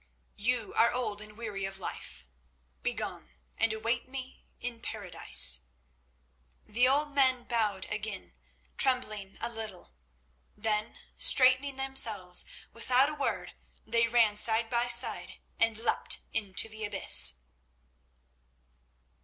You are old and weary of life. Begone, and await me in Paradise." The old men bowed again, trembling a little. Then, straightening themselves, without a word they ran side by side and leapt into the abyss.